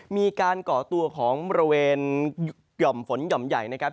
มีการก่อตัวของบริเวณหย่อมฝนหย่อมใหญ่นะครับ